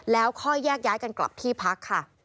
แล้วค่อยแยกย้ายกันกลับที่พักค่ะ